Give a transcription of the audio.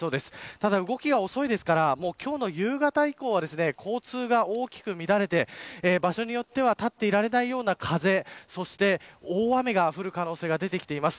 ただ動きが遅いので今日の夕方以降は交通が大きく乱れて場所によっては立っていられないような風そして大雨が降る可能性が出てきています。